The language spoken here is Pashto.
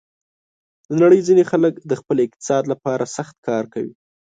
د نړۍ ځینې خلک د خپل اقتصاد لپاره سخت کار کوي.